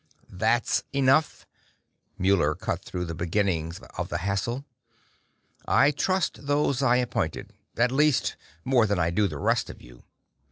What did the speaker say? "That's enough," Muller cut through the beginnings of the hassle. "I trust those I appointed at least more than I do the rest of you.